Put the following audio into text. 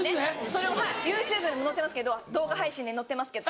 それをＹｏｕＴｕｂｅにのってますけど動画配信にのってますけど。